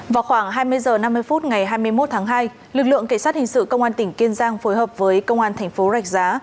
vào khoảng hai mươi h năm mươi phút ngày hai mươi một tháng hai lực lượng cảnh sát hình sự công an tỉnh kiên giang phối hợp với công an thành phố rạch giá